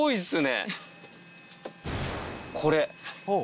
これ！